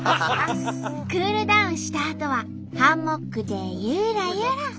クールダウンしたあとはハンモックでゆらゆら。